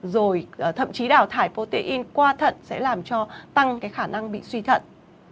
rồi thậm chí đào thải polym qua thận sẽ làm cho tăng cái khả năng bị suy thận